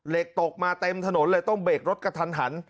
เหล็กตกมาเต็มถนนเลยต้องเบรกรถกระทัน